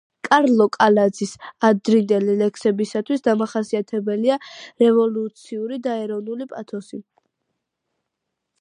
კარლო კალაძის ადრინდელი ლექსებისათვის დამახასიათებელია რევოლუციური და ეროვნული პათოსი.